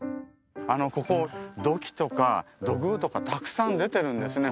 ここ土器とか土偶とかたくさん出てるんですね